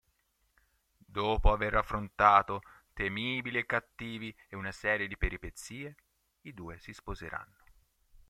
Dopo aver affrontato temibili cattivi e una serie di peripezie, i due si sposeranno.